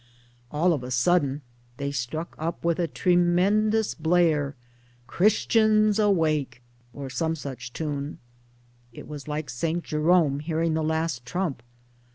All of a sudden they struck up with a tremendous blare "Christians, Awake!" or some such tune. It was like St. Jerome hearing the last Trump.